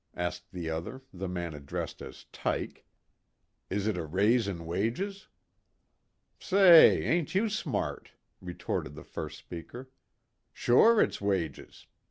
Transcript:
asked the other, the man addressed as "Tyke." "Is it a raise in wages?" "Say, ain't you smart?" retorted the first speaker. "Sure, it's wages.